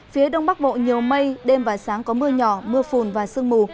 phía đông bắc bộ nhiều mây đêm và sáng có mưa nhỏ mưa phùn và sương mù